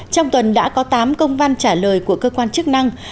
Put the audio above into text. trong tuần đã có tám công văn trả lời của cơ quan chức năng